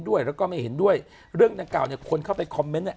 ด้วยแล้วก็ไม่เห็นด้วยเรื่องหน้าเก่าเนี่ยคนเข้าไปคอมเมนต์